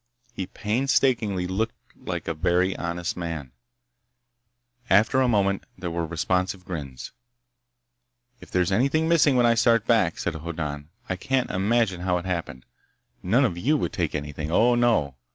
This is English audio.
He painstakingly looked like a very honest man. After a moment there were responsive grins. "If there's anything missing when I start back," said Hoddan, "I can't imagine how it happened! None of you would take anything. Oh, no!